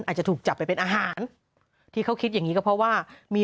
อาจจะถูกจับไปเป็นอาหารที่เขาคิดอย่างนี้ก็เพราะว่ามี